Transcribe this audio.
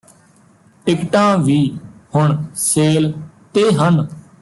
ਟਿਕਟਾਂ ਵੀ ਹੁਣ ਸੇਲ ਤੇ ਹਨ